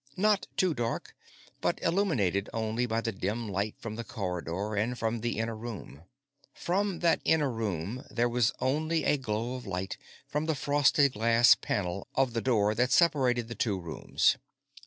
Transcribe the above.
Not too dark, but illuminated only by the dim light from the corridor and from the inner room. From that inner room, there was only a glow of light from the frosted glass panel of the door that separated the two rooms.